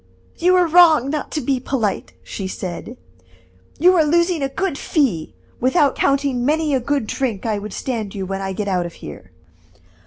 "You are wrong not to be polite," she said; "you are losing a good fee, without counting many a good drink I would stand you when I get out of here."